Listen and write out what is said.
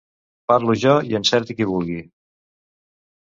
Parlo jo i encerti qui vulgui.